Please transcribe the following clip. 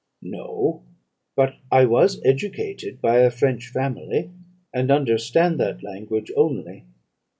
"'No; but I was educated by a French family, and understand that language only.